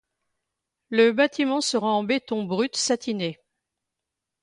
Le bâtiment sera en béton brut satiné.